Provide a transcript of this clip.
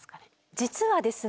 実はですね